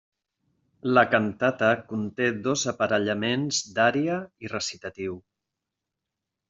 La cantata conté dos aparellaments d'ària i recitatiu.